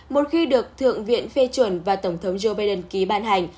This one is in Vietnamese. một khi được thượng viện phê chuẩn và tổng thống joe biden ký ban hành